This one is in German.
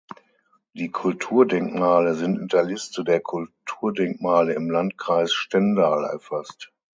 Die Kulturdenkmale sind in der Liste der Kulturdenkmale im Landkreis Stendal erfasst.